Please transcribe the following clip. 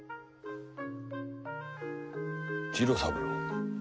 次郎三郎。